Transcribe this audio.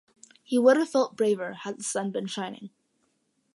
He would have felt braver had the sun been shining.